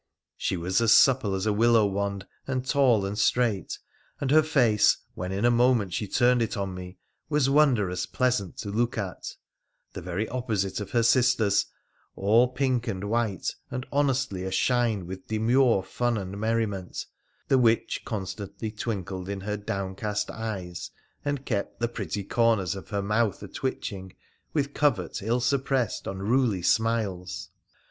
She was as supple as a willow wand, and tall and straight, and her face — when in a moment she turned it on me — was wondrous pleasant to look at — the very opposite of her sister's — all pink and white, and honestly ashine with demure fun and meni ISO WONDERFUL ADVENTURES OP ment, the which constantly twinkled in her downcast eyes, and kept the pretty corners of her mouth a twitching with covert, ill suppressed, unruly smiles.